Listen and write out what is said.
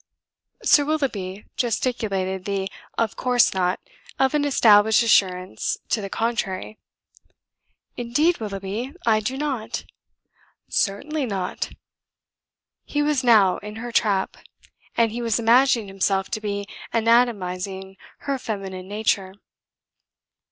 Sir Willoughby gesticulated the "Of course not" of an established assurance to the contrary. "Indeed, Willoughby, I do not." "Certainly not." He was now in her trap. And he was imagining himself to be anatomizing her feminine nature.